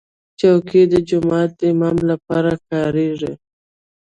چوکۍ د جومات امام لپاره کارېږي.